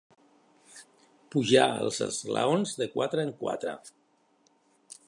Pujar els esglaons de quatre en quatre.